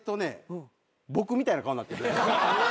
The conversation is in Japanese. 僕みたいな顔なって。